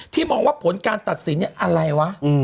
มองว่าผลการตัดสินเนี่ยอะไรวะ